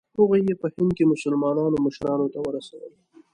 هغوی یې په هند کې مسلمانانو مشرانو ته ورسول.